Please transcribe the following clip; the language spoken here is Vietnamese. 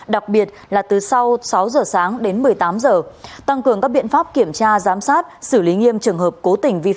đặc biệt là từ sau sáu giờ sáng đến một mươi tám giờ tăng cường các biện pháp kiểm tra giám sát xử lý nghiêm trường hợp cố tình vi phạm